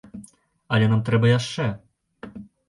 Але нам трэба яшчэ.